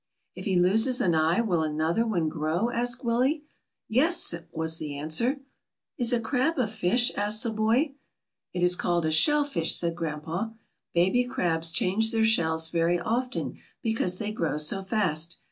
"If he loses an eye, will another one grow?" asked Willie. "Yes," was the answer. "Is a crab a fish?" asked the boy. "It is called a shell fish," said grandpa. "Baby crabs change their shells very often because they grow so fast.